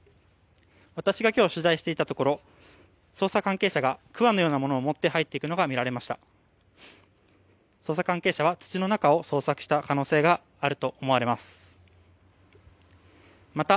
私が今日取材していたところ捜査関係者がくわのようなものを持って入っていくのが見られました。